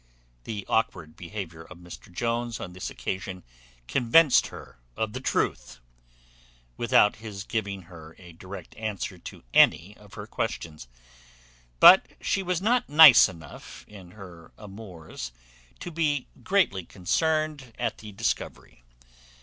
The aukward behaviour of Mr Jones on this occasion convinced her of the truth, without his giving her a direct answer to any of her questions; but she was not nice enough in her amours to be greatly concerned at the discovery.